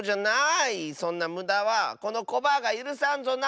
そんなむだはこのコバアがゆるさんぞな！